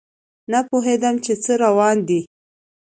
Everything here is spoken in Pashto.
نه پوهیدم چې څه روان دي